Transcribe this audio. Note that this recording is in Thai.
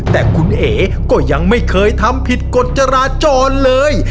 แต่คุณเอ๋ก็ยังไม่เคยทำผิดกฎจราจรเลย